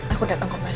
aku datang ke mas